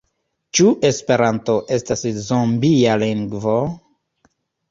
Ĉu Esperanto estas zombia lingvo?